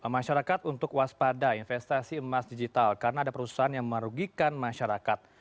masyarakat untuk waspada investasi emas digital karena ada perusahaan yang merugikan masyarakat